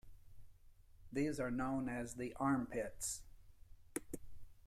These are known as the "armpits".